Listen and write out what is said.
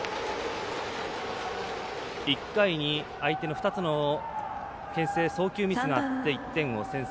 １回に相手の２つのけん制送球ミスがあって１点を先制。